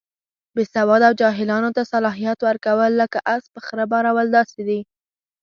بې سواده او جاهلانو ته صلاحیت ورکول، لکه اس په خره بارول داسې دي.